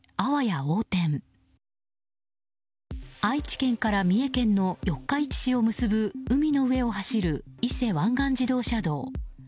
愛知県から三重県の四日市市を結ぶ海の上を走る伊勢湾岸自動車道。